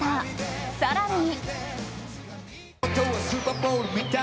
更に。